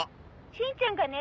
「しんちゃんがね